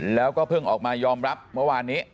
แล้วก็เพิ่งออกมายอมรับเมื่อวานนี้